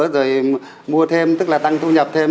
rồi mua thêm tức là tăng thu nhập thêm